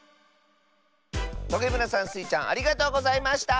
トゲむらさんスイちゃんありがとうございました。